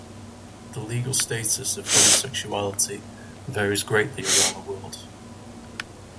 The legal status of homosexuality varies greatly around the world.